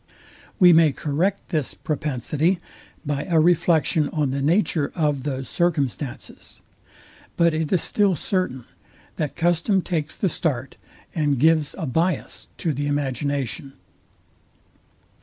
We may correct this propensity by a reflection on the nature of those circumstances: but it is still certain, that custom takes the start, and gives a biass to the imagination.